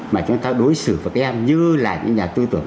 mà chúng ta đối xử với các em như là những nhà tư tưởng